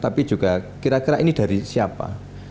tapi juga kira kira ini dari siapa